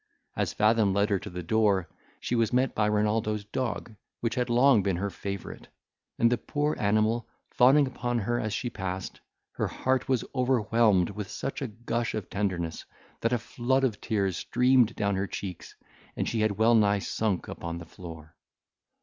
As Fathom led her to the door, she was met by Renaldo's dog, which had long been her favourite; and the poor animal fawning upon her as she passed, her heart was overwhelmed with such a gush of tenderness, that a flood of tears streamed down her cheeks, and she had well nigh sunk upon the floor.